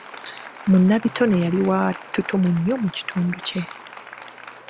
Munnabitone yali wa ttutumu nnyo mu kitundu kye.